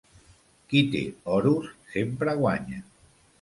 Qui té oros sempre guanya.